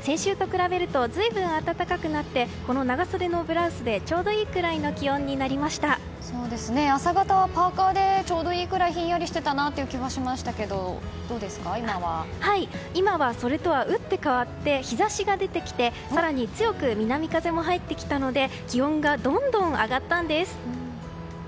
先週と比べると随分、暖かくなってこの長袖のブラウスでちょうどいいくらいの朝方はパーカでちょうどいいくらいひんやりしていたなという気がしましたが今はそれとは打って変わって日差しが出てきて更に強く南風も入ってきたので気温がどんどん上がったんです。